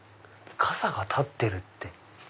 傘が立ってるって。